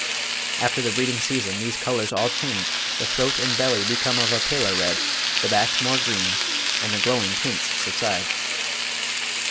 After the breeding season these colours all change, the throat and belly become of a paler red, the back more green, and the glowing tints subside.